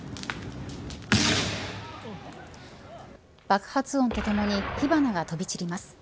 爆発音とともに火花が飛び散ります。